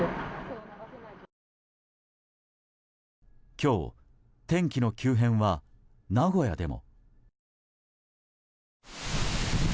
今日、天気の急変は名古屋でも。